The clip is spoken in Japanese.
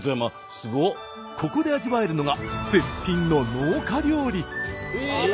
ここで味わえるのが絶品の農家料理。